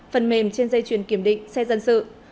phần mềm trên dây chuyển kiểm định xe dân sự